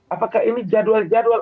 apakah ini jadwal jadwal